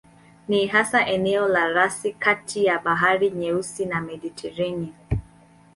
Ni hasa eneo la rasi kati ya Bahari Nyeusi na Mediteranea.